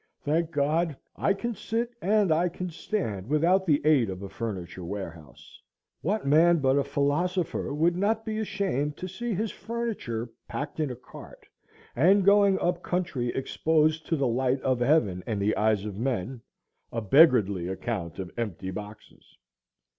Thank God, I can sit and I can stand without the aid of a furniture warehouse. What man but a philosopher would not be ashamed to see his furniture packed in a cart and going up country exposed to the light of heaven and the eyes of men, a beggarly account of empty boxes?